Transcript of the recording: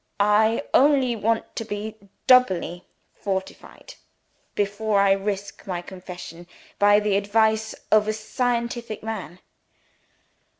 I only want to be doubly fortified, before I risk my confession, by the advice of a scientific man."